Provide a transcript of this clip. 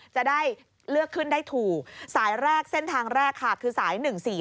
จะได้เลือกขึ้นได้ถูกสายแรกเส้นทางแรกค่ะคือสาย๑๔